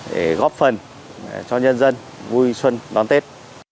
để góp phần cho nhân dân vui xuân đón tết